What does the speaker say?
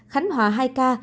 khánh hòa hai ca